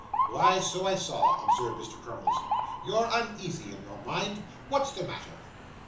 'Why, so I saw,' observed Mr. Crummles. 'You're uneasy in your mind. What's the matter?